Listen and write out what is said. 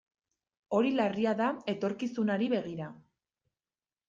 Hori larria da etorkizunari begira.